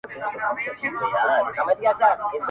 کي ځانګړی ليکوال دی